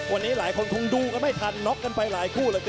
วันนี้หลายคนคงดูกันไม่ทันน็อกกันไปหลายคู่เหลือเกิน